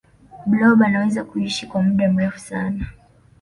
blob anaweza kuishi kwa muda mrefu sana